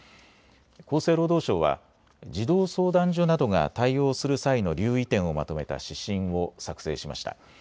厚生労働省は児童相談所などが対応する際の留意点をまとめた指針を作成しました。